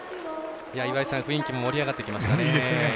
雰囲気も盛り上がってきましたね。